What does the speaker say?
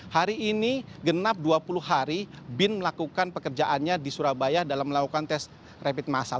hari ini genap dua puluh hari bin melakukan pekerjaannya di surabaya dalam melakukan tes rapid massal